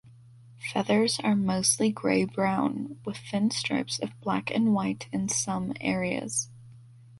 Feathers are mostly grey brown, with thin strips of black and white in some areas.